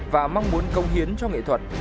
và mong muốn công hiến cho nghệ thuật